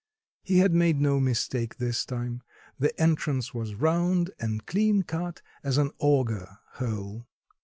He had made no mistake this time, the entrance was round and clean cut as an augur hole.